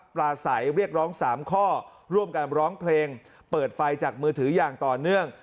ปลาใสเรียกร้อง๓ข้อร่วมกันร้องเพลงเปิดไฟจากมือถืออย่างต่อเนื่อง